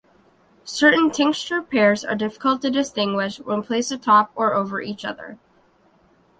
Certain tincture pairs are difficult to distinguish when placed atop or over each other.